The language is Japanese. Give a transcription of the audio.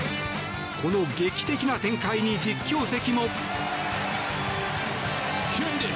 この劇的な展開に実況席も。